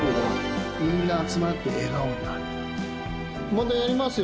またやりますよ。